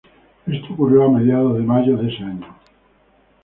Esto ocurrió a mediados de mayo de ese año.